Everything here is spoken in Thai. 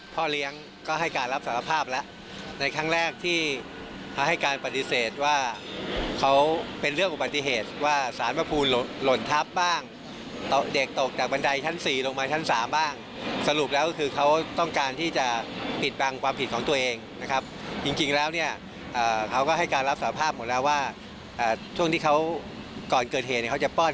พ่อเลี้ยงก็ให้การรับสารภาพแล้วในครั้งแรกที่เขาให้การปฏิเสธว่าเขาเป็นเรื่องอุบัติเหตุว่าสารพระภูมิหล่นทับบ้างเด็กตกจากบันไดชั้น๔ลงมาชั้น๓บ้างสรุปแล้วก็คือเขาต้องการที่จะปิดบังความผิดของตัวเองนะครับจริงแล้วเนี่ยเขาก็ให้การรับสาภาพหมดแล้วว่าช่วงที่เขาก่อนเกิดเหตุเนี่ยเขาจะป้อน